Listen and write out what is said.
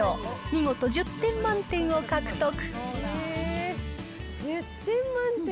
見事１０点満点を獲得。